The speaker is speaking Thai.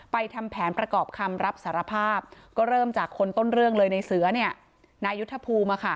ทำแผนประกอบคำรับสารภาพก็เริ่มจากคนต้นเรื่องเลยในเสือนายุทธภูมิ